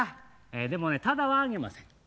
でもねただはあげません。